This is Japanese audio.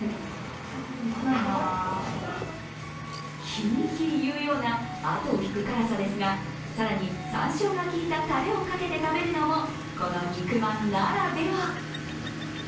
ひーひー言うような後を引く辛さですが、更にさんしょうが効いたたれをかけて食べるのもこの肉まんならでは。